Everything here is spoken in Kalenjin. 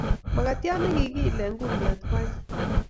Makatiat ne kikiile kumnyat ko anyiny